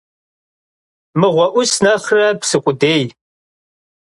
Мыгъуэ Ӏус нэхърэ псы къудей.